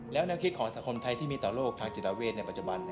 แล้วแนวคิดของสังคมไทยที่มีต่อโลกทางจิตเวทในปัจจุบัน